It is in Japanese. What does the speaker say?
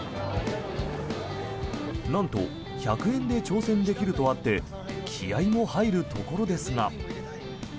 なんと１００円で挑戦できるとあって気合も入るところですが。